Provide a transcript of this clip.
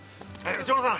吉村さん。